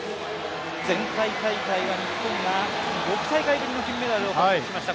前回大会は日本が６大会ぶりの金メダルを獲得しました